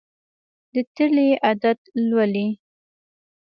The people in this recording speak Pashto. د تلې عدد لولي.